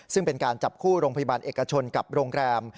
ซึ่งเป็นการจับคู่โรงพยาบาลเอกชนกับโรงแรม